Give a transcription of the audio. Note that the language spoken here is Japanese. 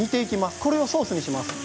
これをソースにします。